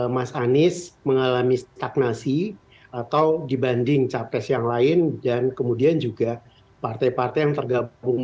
mas anies mengalami stagnasi atau dibanding capres yang lain dan kemudian juga partai partai yang tergabung